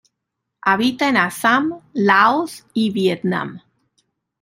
Habita en Assam, Laos y Vietnam.